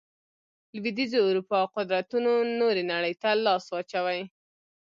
لوېدیځې اروپا قدرتونو نورې نړۍ ته لاس واچوي.